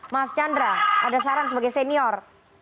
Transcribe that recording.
mas chandra ada saran sebagai senior